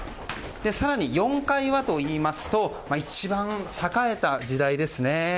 更に４階はといいますと一番栄えた時代ですね。